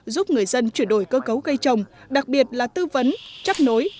giúp người dân chuyển đổi cơ cấu cây trồng đặc biệt là tư vấn chấp nối